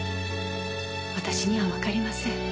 私にはわかりません。